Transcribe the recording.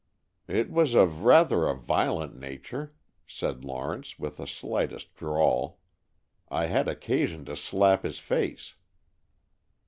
"It was of rather a violent nature," said Lawrence, with the slightest drawl. "I had occasion to slap his face."